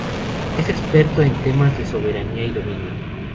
Es experto en temas de soberanía y dominio.